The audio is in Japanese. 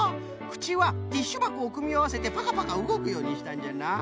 くちはティッシュばこをくみあわせてパカパカうごくようにしたんじゃな。